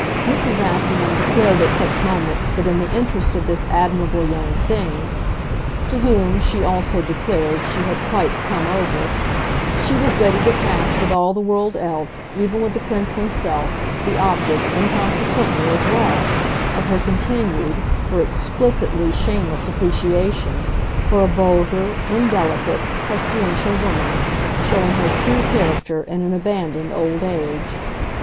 Mrs. Assingham declared at such moments that in the interest of this admirable young thing to whom, she also declared, she had quite "come over" she was ready to pass with all the world else, even with the Prince himself, the object, inconsequently, as well, of her continued, her explicitly shameless appreciation, for a vulgar, indelicate, pestilential woman, showing her true character in an abandoned old age.